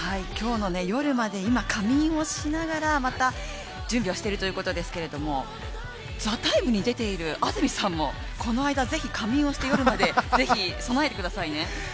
今日の夜まで今、仮眠をしながらまた準備をしているということですけれど「ＴＨＥＴＩＭＥ，」に出ている安住さんもこの間、ぜひ仮眠をして、夜までこの間に備えてくださいね。